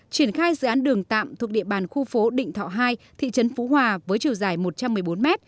triển khai dự án đường tạm thuộc địa bàn khu phố định thọ hai thị trấn phú hòa với chiều dài một trăm một mươi bốn m